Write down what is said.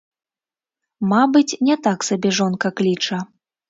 Мабыць, не так сабе жонка кліча.